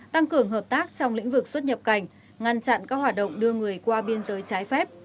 tăng cường hợp tác trong lĩnh vực xuất nhập cảnh ngăn chặn các hoạt động đưa người qua biên giới trái phép